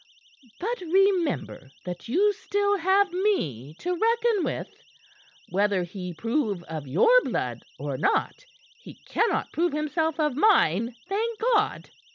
But remember that you still have me to reckon with. Whether he prove of your blood or not, he cannot prove himself of mine thank God!"